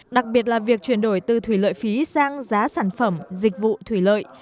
đặc biệt là việc chuyển đổi từ thủy lợi phí sang giá sản phẩm dịch vụ thủy lợi